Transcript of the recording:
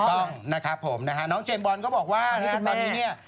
ต้องนะครับผมนะฮะน้องเจมส์บอลก็บอกว่านะฮะตอนนี้เนี่ย